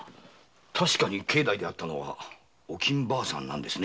確かに境内で会ったのはおきん婆さんなんですね？